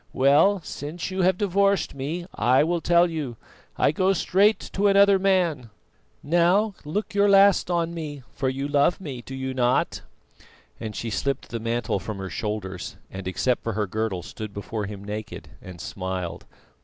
Well, since you have divorced me, I will tell you, I go straight to another man. Now, look your last on me; for you love me, do you not?" and she slipped the mantle from her shoulders and except for her girdle stood before him naked, and smiled.